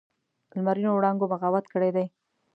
لمرینو وړانګو بغاوت کړی دی